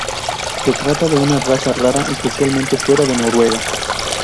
Se trata de una raza rara, especialmente fuera de Noruega.